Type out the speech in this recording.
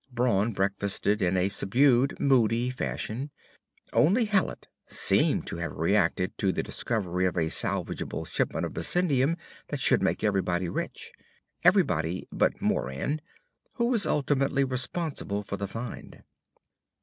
Brawn breakfasted in a subdued, moody fashion. Only Hallet seemed to have reacted to the discovery of a salvageable shipment of bessendium that should make everybody rich, everybody but Moran, who was ultimately responsible for the find.